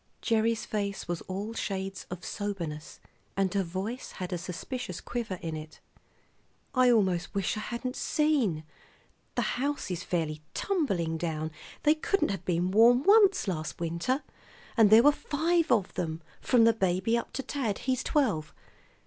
Gerry's face was all shades of soberness, and her voice had a suspicious quiver in it. "I almost wish I hadn't seen. The house is fairly tumbling down; they couldn't have been warm once last winter. And there were five of them, from the baby up to Tad; he's twelve.